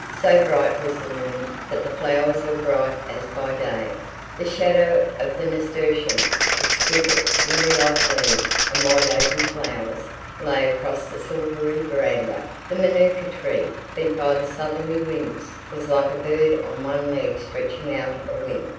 So bright was the moon that the flowers were bright as by day; the shadow of the nasturtiums, exquisite lily like leaves and wide open flowers, lay across the silvery veranda. The manuka tree, bent by the southerly winds, was like a bird on one leg stretching out a wing.